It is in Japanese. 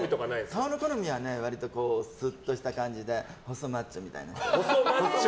顔の好みは割と、すっとした感じで細マッチョみたいな人。